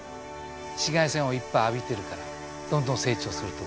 紫外線をいっぱい浴びてるからどんどん成長すると思います。